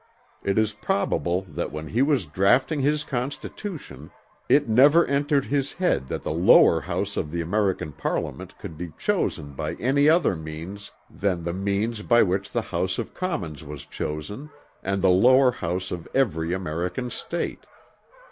It is probable that when he was draughting his constitution, it never entered his head that the lower house of the American parliament could be chosen by any other means than the means by which the House of Commons was chosen and the lower house of every American State.